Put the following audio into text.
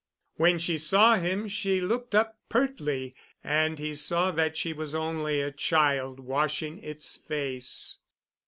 When she saw him she looked up pertly, and he saw that she was only a child washing its face.